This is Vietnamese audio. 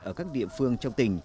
ở các địa phương trong tỉnh